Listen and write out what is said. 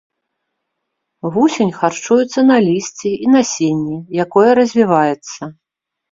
Вусень харчуецца на лісці і насенні, якое развіваецца.